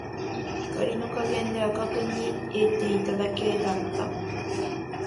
光の加減で赤く見えていただけだった